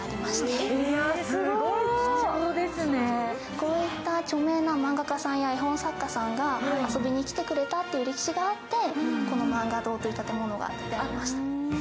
こういった著名な漫画家さんや絵本作家さんが遊びに来てくれたという歴史があって、この漫画堂という建物ができました。